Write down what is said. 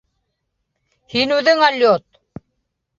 Һин үҙең алйот!